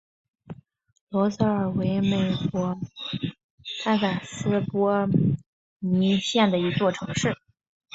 罗泽尔为美国堪萨斯州波尼县的一座城市。